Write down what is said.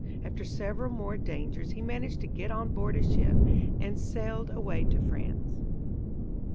After several more dangers he managed to get on board a ship and sailed away to France.